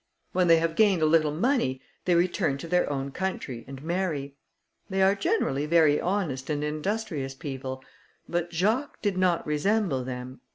When they have gained a little money, they return to their own country, and marry. They are generally very honest and industrious people, but Jacques did not resemble them.